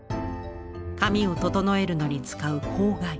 髪を整えるのに使う「笄」。